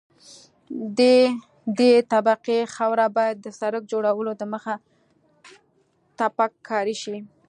د دې طبقې خاوره باید د سرک جوړولو دمخه تپک کاري شي